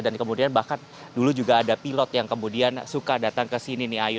dan kemudian bahkan dulu juga ada pilot yang kemudian suka datang ke sini nih ayu